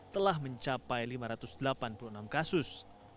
telah mencapai lima ratus delapan puluh enam kasus